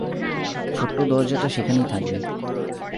ছোট্ট দরজাটা সেখানেই থাকবে।